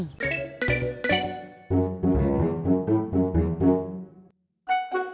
bisa gak bisa berhenti